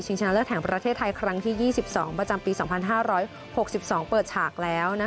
ชนะเลิศแห่งประเทศไทยครั้งที่๒๒ประจำปี๒๕๖๒เปิดฉากแล้ว